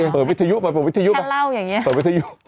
เปิดวิทยุเปิดวิทยุ